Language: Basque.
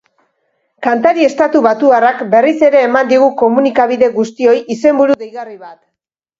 Kantari estatubatuarrak berriz ere eman digu komunikabide guztioi izenburu deigarri bat.